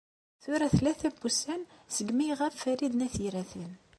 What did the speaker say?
Tura tlata wussan segmi iɣab Farid n At Yiraten.